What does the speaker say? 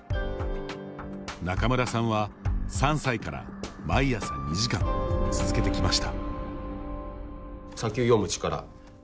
仲邑さんは３歳から毎朝２時間続けてきました。